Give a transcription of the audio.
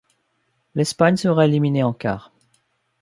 L’Espagne sera éliminée en quarts.